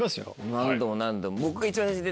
何度も何度も。